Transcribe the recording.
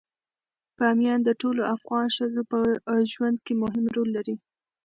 بامیان د ټولو افغان ښځو په ژوند کې مهم رول لري.